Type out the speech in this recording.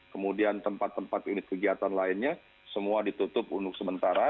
kemudian tempat tempat unit kegiatan lainnya semua ditutup untuk sementara